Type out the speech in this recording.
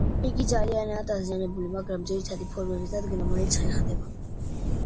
იგი ძალიანაა დაზიანებული, მაგრამ ძირითადი ფორმების დადგენა მაინც ხერხდება.